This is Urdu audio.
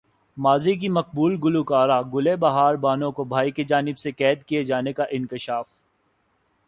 ماضی کی مقبول گلوکارہ گل بہار بانو کو بھائی کی جانب سے قید کیے جانے کا انکشاف